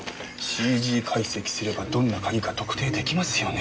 ＣＧ解析すればどんな鍵か特定出来ますよね？